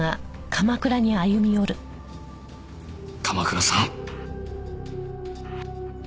鎌倉さん。